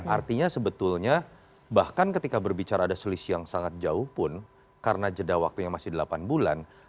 artinya sebetulnya bahkan ketika berbicara ada selisih yang sangat jauh pun karena jeda waktunya masih delapan bulan